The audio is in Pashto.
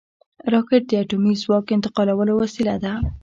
راکټ د اټومي ځواک انتقالولو وسیله ده